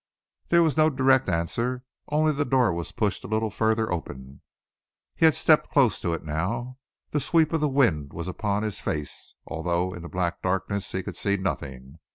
There was no direct answer, only the door was pushed a little further open. He had stepped close to it now. The sweep of the wind was upon his face, although in the black darkness he could see nothing.